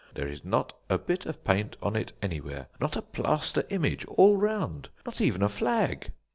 There is not a bit of paint on it anywhere, not a plaster image all round, not even a flag.